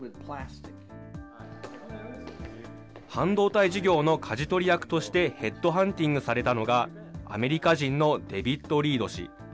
半導体事業のかじ取り役としてヘッドハンティングされたのが、アメリカ人のデビッド・リード氏。